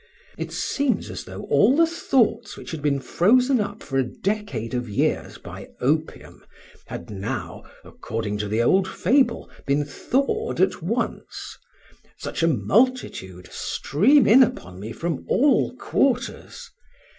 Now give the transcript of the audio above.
It seems as though all the thoughts which had been frozen up for a decade of years by opium had now, according to the old fable, been thawed at once—such a multitude stream in upon me from all quarters.